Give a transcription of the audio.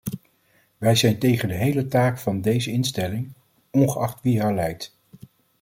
Wij zijn tegen de hele taak van deze instelling, ongeacht wie haar leidt.